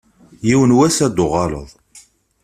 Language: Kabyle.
Yiwen n wass ad d-tuɣaleḍ.